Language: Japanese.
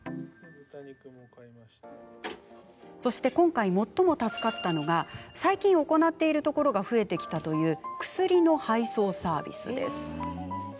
そして今回、最も助かったのが最近行っているところが増えてきたという薬の配送サービス。